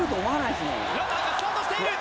ランナーがスタートしている！